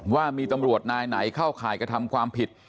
ว่ามีตำรวจนายไหนเข้าข่ายกระทำความผิด